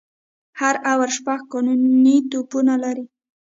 هر آور شپږ قانوني توپونه لري.